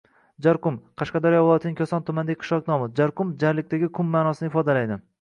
Jarqum – Qashqadaryo viloyatining Koson tumanidagi qishloq nomi. Jarqum - «jarlikdagi qum» ma’nosini ifodalaydi.